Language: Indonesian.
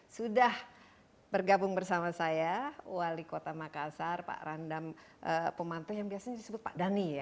sudah bergabung bersama saya wali kota makassar pak randam pemantu yang biasanya disebut pak dhani ya